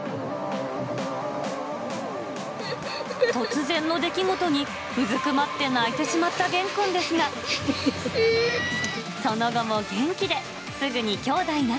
突然の出来事に、うずくまって泣いてしまった元くんですが、その後も元気で、すぐに兄弟仲